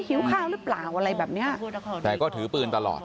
หิวข้าวหรือเปล่าอะไรแบบเนี้ยแต่ก็ถือปืนตลอด